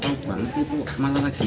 ternyata tersangka berusaha melarikan diri